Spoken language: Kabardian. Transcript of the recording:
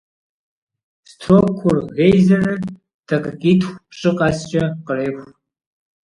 Строккур гейзерыр дакъикъитху-пщӏы къэскӀэ къреху.